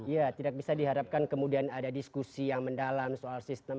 ya tidak bisa diharapkan kemudian ada diskusi yang mendalam soal sistem